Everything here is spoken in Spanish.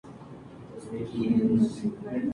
El sitio más común de extensión es al hígado.